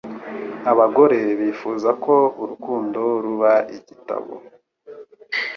Abagore bifuza ko urukundo ruba igitabo.